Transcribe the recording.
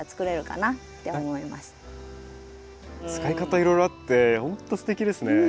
使い方いろいろあってほんとすてきですね。